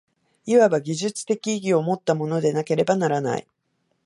いわば技術的意義をもったものでなければならない。